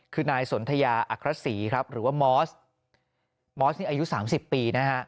คือนายสนทยาอัครศรีครับหรือว่ามอสมอสนี่อายุ๓๐ปีนะฮะ